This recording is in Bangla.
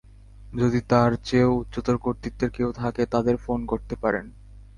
যদি তার চেয়েও উচ্চতর কর্তৃত্বের কেউ থাকে, তাদের ফোন করতে পারেন।